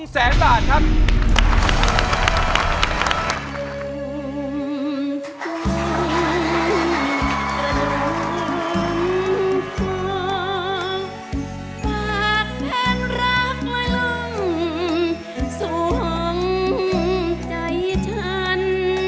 ๒แสนบาทครับ